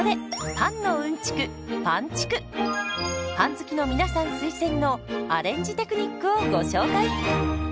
パン好きの皆さん推薦のアレンジテクニックをご紹介。